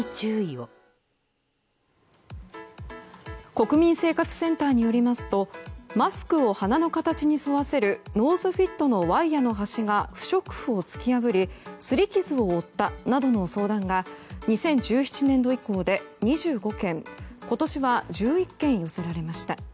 国民生活センターによりますとマスクを鼻の形に沿わせるノーズフィットのワイヤの端が不織布を突き破りすり傷を負ったなどの相談が２０１７年度以降で２５件今年は１１件寄せられました。